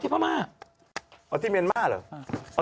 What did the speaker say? อ๋อที่เมียนมาร์อ๋อที่เมียนมาร์หรือ